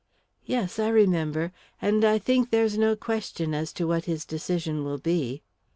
"Yes, I remember. And I think there's no question as to what his decision will be."